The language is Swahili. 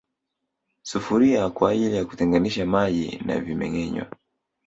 Sufuria kwaajili ya kuteganisha maji na vimengenywa